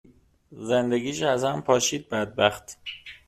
زندگیش از هم پاشید بدبخت.